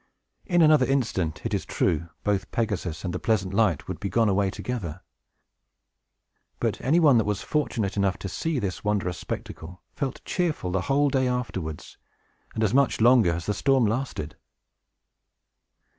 In another instant, it is true, both Pegasus and the pleasant light would be gone away together. But any one that was fortunate enough to see this wondrous spectacle felt cheerful the whole day afterwards, and as much longer as the storm lasted.